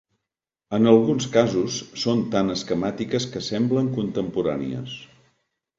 En alguns casos són tan esquemàtiques que semblen contemporànies.